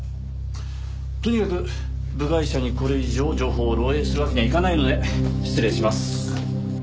とにかく部外者にこれ以上情報を漏洩するわけにはいかないので失礼します。